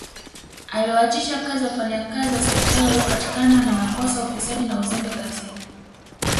Aliwaachisha kazi wafanyikazi wa serikali waliopatikana na makosa ya ufisadi na uzembe kazini